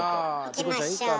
いきましょう。